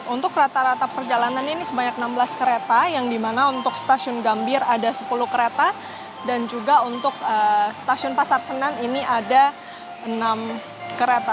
untuk rata rata perjalanan ini sebanyak enam belas kereta yang dimana untuk stasiun gambir ada sepuluh kereta dan juga untuk stasiun pasar senen ini ada enam kereta